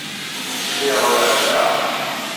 Lliɣ beɛɛdeɣ.